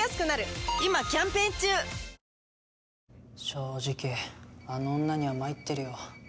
正直あの女には参ってるよ。